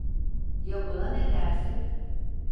Ya buna ne dersin?